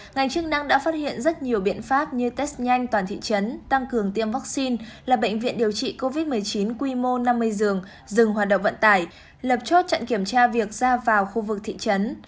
ngành chức năng đã phát hiện rất nhiều biện pháp như test nhanh toàn thị trấn tăng cường tiêm vaccine là bệnh viện điều trị covid một mươi chín quy mô năm mươi giường dừng hoạt động vận tải lập chốt trận kiểm tra việc ra vào khu vực thị trấn